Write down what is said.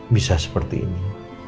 bisa seperti ini